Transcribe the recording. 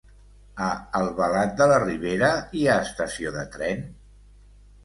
A Albalat de la Ribera hi ha estació de tren?